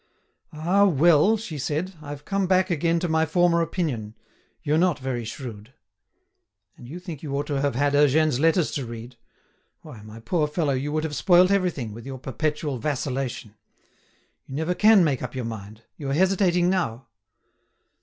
"Ah! well," she said, "I've come back again to my former opinion; you're not very shrewd. And you think you ought to have had Eugène's letters to read? Why, my poor fellow you would have spoilt everything, with your perpetual vacillation. You never can make up your mind. You are hesitating now."